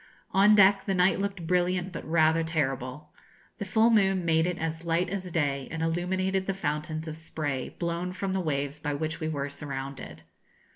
On deck the night looked brilliant but rather terrible. The full moon made it as light as day, and illuminated the fountains of spray blown from the waves by which we were surrounded.